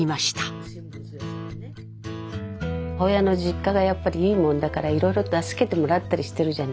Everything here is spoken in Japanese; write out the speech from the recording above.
母親の実家がやっぱりいいもんだからいろいろ助けてもらったりしているじゃない。